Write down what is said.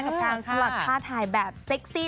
กับทางสลัดผ้าทายแบบเซ็กซี่